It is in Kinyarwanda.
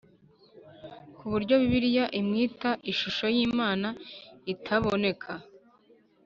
ku buryo Bibiliya imwita ishusho y Imana itaboneka